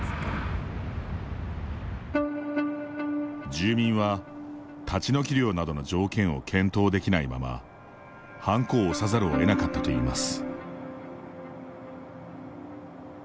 住民は、立ち退き料などの条件を検討できないままはんこを押さざるをえなかったといいます。